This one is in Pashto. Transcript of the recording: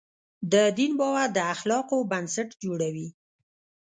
د دین باور د اخلاقو بنسټ جوړوي.